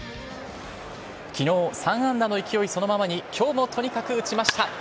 昨日、３安打の勢いそのままに今日もとにかく打ちました。